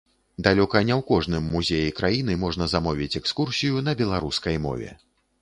Далёка не ў кожным музеі краіны можна замовіць экскурсію на беларускай мове.